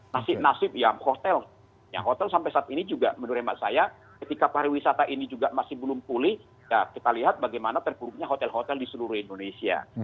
nasib nasib ya hotel yang hotel sampai saat ini juga menurut hemat saya ketika pariwisata ini juga masih belum pulih ya kita lihat bagaimana terpuruknya hotel hotel di seluruh indonesia